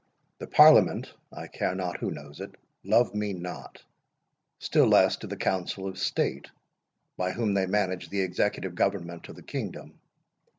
The Parliament, I care not who knows it, love me not—still less do the Council of State, by whom they manage the executive government of the kingdom.